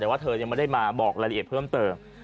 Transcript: แต่ว่าเธอยังไม่ได้มาบอกรายละเอียดเพิ่มเติม